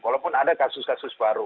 walaupun ada kasus kasus baru